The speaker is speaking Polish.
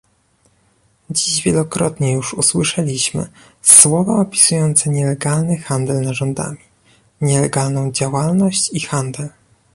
Dziś wielokrotnie już usłyszeliśmy słowa opisujące nielegalny handel narządami - nielegalną działalność i handel